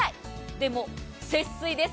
でも、節水です。